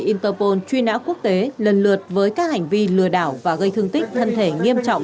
interpol truy nã quốc tế lần lượt với các hành vi lừa đảo và gây thương tích thân thể nghiêm trọng